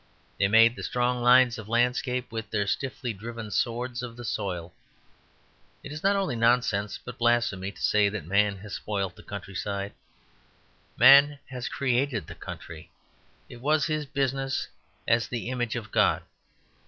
They made the strong lines of landscape with their stiffly driven swords of the soil. It is not only nonsense, but blasphemy, to say that man has spoilt the country. Man has created the country; it was his business, as the image of God.